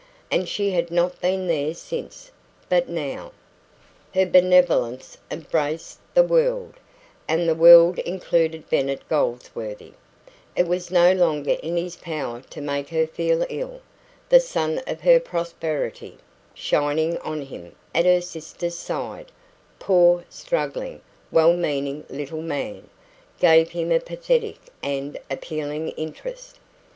And she had not been there since. But now Her benevolence embraced the world, and the world included Bennet Goldsworthy. It was no longer in his power to make her feel ill. The sun of her prosperity, shining on him at her sister's side poor, struggling, well meaning little man! gave him a pathetic and appealing interest.